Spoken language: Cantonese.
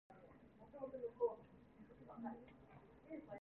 連公祭一個人的物品也要大肆破壞